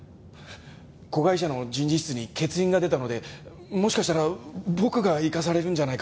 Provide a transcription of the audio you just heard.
子会社の人事室に欠員が出たのでもしかしたら僕が行かされるんじゃないかと思ってて。